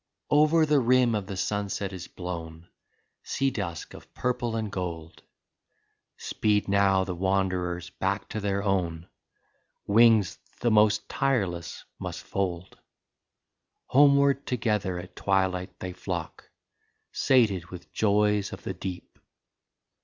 Ill Over the rim of the sunset is blown Sea dusk of purple and gold, Speed now the wanderers back to their own. Wings the most tireless must fold. Homeward together at twilight they flock. Sated with joys of the deep.